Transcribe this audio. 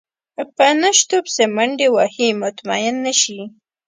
په نشتو پسې منډې وهي مطمئن نه شي.